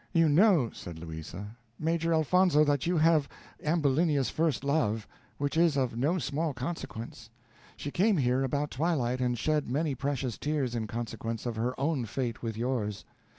"You know," said Louisa, "Major Elfonzo, that you have Ambulinia's first love, which is of no small consequence. She came here about twilight, and shed many precious tears in consequence of her own fate with yours.